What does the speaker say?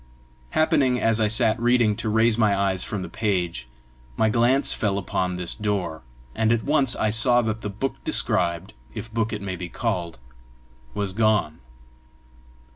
Happening, as I sat reading, to raise my eyes from the page, my glance fell upon this door, and at once I saw that the book described, if book it may be called, was gone.